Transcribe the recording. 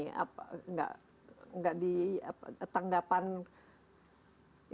tidak di tanggapan indonesia tidak ada sama sekali